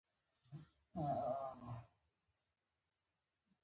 سیاسي اهدافو لپاره کار کوي.